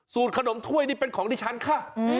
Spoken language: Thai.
ขนมถ้วยนี่เป็นของดิฉันค่ะ